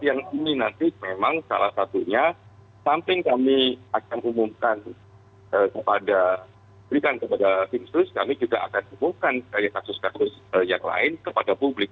yang ini nanti memang salah satunya samping kami akan umumkan kepada tim sus kami juga akan umumkan dari kasus kasus yang lain kepada publik